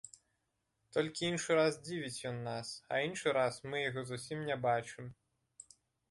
Толькі іншы раз дзівіць ён нас, а іншы раз мы яго зусім не бачым.